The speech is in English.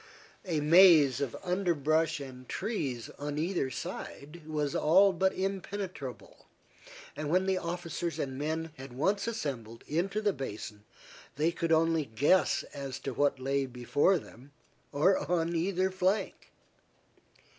A maze of underbrush and trees on either side was all but impenetrable, and when the officers and men had once assembled into the basin, they could only guess as to what lay before them, or on either flank.